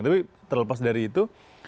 tapi terlepas dari itu